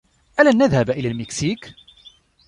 ألن نذهب إلى المكسيك؟